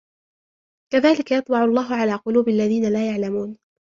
كذلك يطبع الله على قلوب الذين لا يعلمون